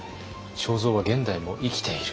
正造は現代も生きている。